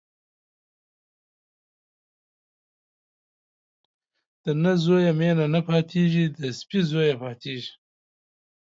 د نه زويه مينه نه پاتېږي ، د سپي زويه پاتېږي.